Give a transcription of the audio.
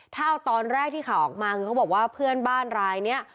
ถ้าเอาตอนแรกที่ข่าวออกมาคือเขาบอกว่าเพื่อนบ้านรายนี้